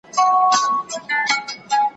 له خېره دي بېزار يم، شر مه رارسوه.